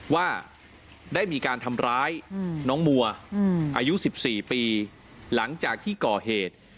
ว่าได้มีการทำร้ายน้องมัวอายุ๑๔ปีหลังจากที่ก่อเหตุ